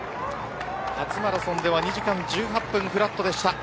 初マラソンでは２時間１８分フラットでした。